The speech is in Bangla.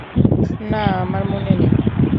না আমার মনে নেই!